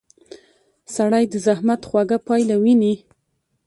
سړی د زحمت خوږه پایله ویني